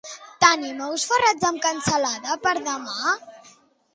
Tenim ous ferrats amb cansalada per demà?